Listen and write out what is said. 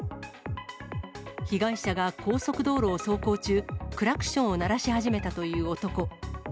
被害者が高速道路を走行中、クラクションを鳴らし始めたという男。